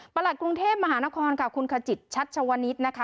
ประหลักกรุงเทพมหานครคุณขจิตชัชวนิทนะคะ